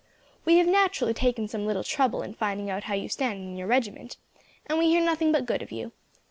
"We have naturally taken some little trouble in finding out how you stand in your regiment, and we hear nothing but good of you.